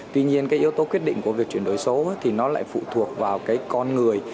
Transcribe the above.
tuy nhiên yếu tố quyết định của việc chuyển đổi số lại phụ thuộc vào con người